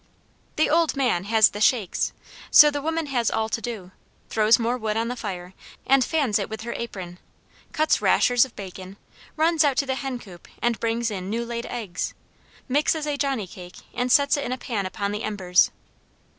The "old man" has the shakes, so the woman has all to do; throws more wood on the fire and fans it with her apron; cuts rashers of bacon, runs out to the hen coop and brings in new laid eggs; mixes a johnny cake and sets it in a pan upon the embers.